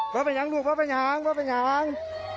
พอไปยังลูกพอไปยังพอไปยัง